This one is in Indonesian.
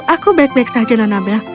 aku baik baik saja nona belle